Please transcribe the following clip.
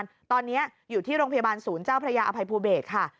ตอนนี้อยู่ที่โรงพยาบาลศูนย์เจ้าพระยาอภัยภูเบศค่ะ